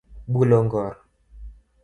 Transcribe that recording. Bulo ngor